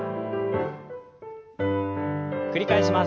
繰り返します。